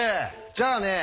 じゃあね